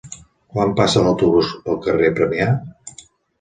Quan passa l'autobús pel carrer Premià?